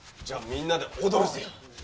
じゃあみんなで踊るぜよ。